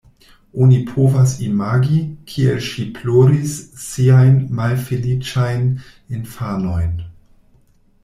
Oni povas imagi, kiel ŝi ploris siajn malfeliĉajn infanojn.